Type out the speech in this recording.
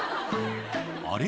あれ？